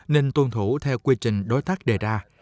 nên tuân thủ theo quy trình đối tác đề ra